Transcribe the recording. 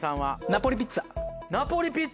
ナポリピッツァ